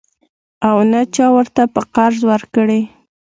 او نه چا ورته په قرض ورکړې.